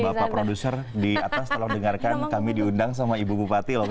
bapak produser di atas tolong dengarkan kami diundang sama ibu bupati loh pak